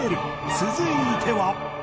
続いては